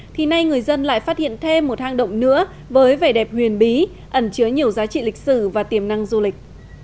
thì nay người dân lại phát hiện thêm một hang động nữa với vẻ đẹp huyền bí ẩn chứa nhiều giá trị lịch sử và tiềm năng du lịch